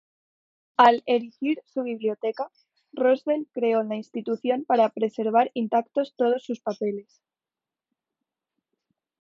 Al erigir su biblioteca, Roosevelt creó la institución para preservar intactos todos sus papeles.